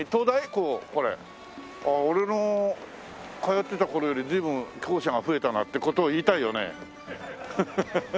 俺の通ってた頃より随分校舎が増えたなって事を言いたいよね。